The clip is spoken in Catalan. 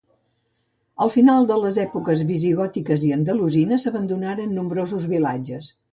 Al final de les èpoques visigòtiques i andalusina s'abandonaren nombrosos vilatges.